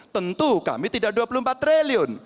tentu kami tidak dua puluh empat triliun